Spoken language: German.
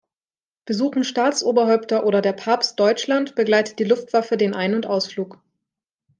Besuchen Staatsoberhäupter oder der Papst Deutschland, begleitet die Luftwaffe den Ein- und Ausflug.